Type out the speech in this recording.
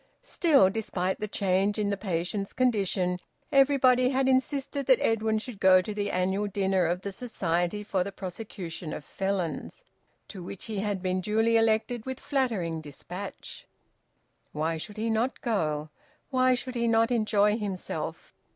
Still, despite the change in the patient's condition, everybody had insisted that Edwin should go to the annual dinner of the Society for the Prosecution of Felons, to which he had been duly elected with flattering dispatch. Why should he not go? Why should he not enjoy himself?